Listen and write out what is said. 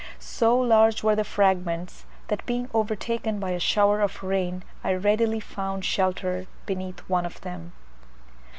So large were the fragments, that being overtaken by a shower of rain, I readily found shelter beneath one of them.